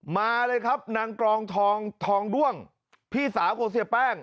มาเลยครับนางกรองทองทองด้วงพี่สาวของเสียแป้ง